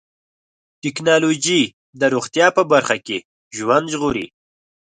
ټکنالوجي د روغتیا په برخه کې ژوند ژغوري.